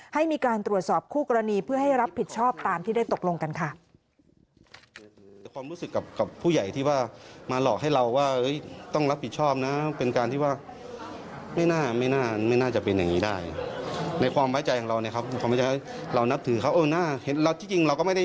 ให้มีการตรวจสอบคู่กรณีเพื่อให้รับผิดชอบตามที่ได้ตกลงกันค่ะ